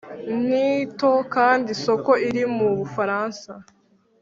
ni nto, kandi isoko iri mu bufaransa